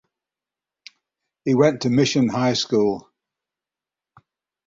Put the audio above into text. He went to Mission High School.